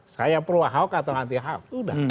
saya pro ahok atau anti ahok itu udah